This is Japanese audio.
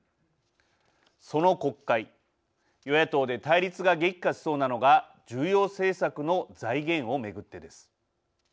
その国会与野党で対立が激化しそうなのが重要政策の財源を巡ってです。